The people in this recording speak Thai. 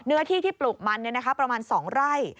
เนื้อที่ที่ปลูกมันประมาณ๒ไร่